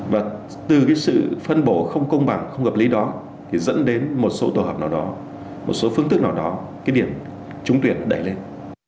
và từ cái sự phân bổ không công bằng không hợp lý đó thì dẫn đến một số tổ hợp nào đó một số phương thức nào đó cái điểm trúng tuyển đẩy lên